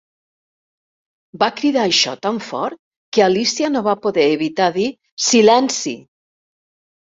Va cridar això tan fort que Alicia no va poder evitar dir "Silenci!"